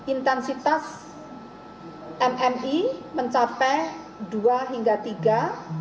intensitas mmi mencapai dua hingga tiga